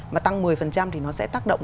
mà tăng một mươi thì nó sẽ tác động